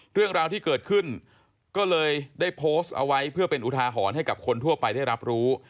เรื่องราวที่เกิดขึ้นก็เลยได้โพสต์เอาไว้เพื่อเป็นอุทาหรณ์ให้กับคนทั่วไปได้รับรู้